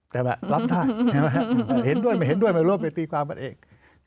แต่แบบรับได้เห็นด้วยไม่เห็นด้วยไม่รู้ว่าไปตีความบัตต์เอก